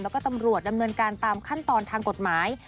แล้วก็ตำรวจดำเนินการตามขั้นตอนทางกฎหมาย